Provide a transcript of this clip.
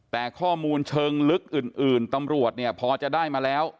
แต่ข้อมูลเชิงลึกอื่นตำรวจเนี่ยพอจะได้มาแล้ว